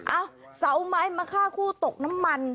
เอ้าเสาไม้มาฆ่าคู่ตกน้ำมัน